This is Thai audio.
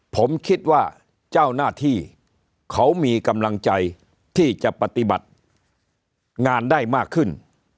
ผมคิดว่าเจ้าหน้าที่เขามีกำลังใจที่จะปฏิบัติงานได้มากขึ้น